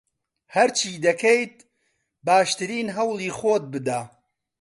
هەرچی دەکەیت، باشترین هەوڵی خۆت بدە.